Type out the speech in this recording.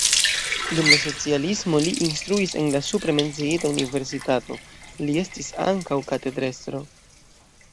Dum la socialismo li instruis en la supre menciita universitato, li estis ankaŭ katedrestro.